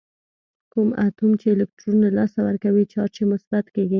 کوم اتوم چې الکترون له لاسه ورکوي چارج یې مثبت کیږي.